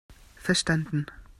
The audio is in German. Verstanden!